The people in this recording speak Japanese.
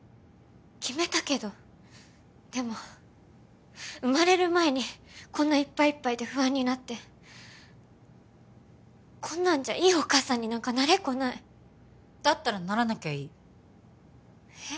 決めたけどでも生まれる前にこんないっぱいいっぱいで不安になってこんなんじゃいいお母さんになんかなれっこないだったらならなきゃいいえっ？